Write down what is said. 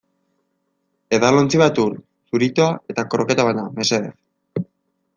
Edalontzi bat ur, zuritoa eta kroketa bana, mesedez.